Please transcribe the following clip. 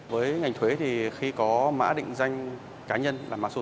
với ngành thuế thì khi có mã định danh cá nhân là mã số thuế